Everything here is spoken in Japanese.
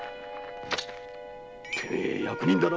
てめえ役人だな？